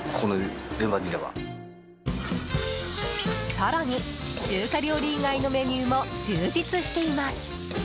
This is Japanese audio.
更に中華料理以外のメニューも充実しています。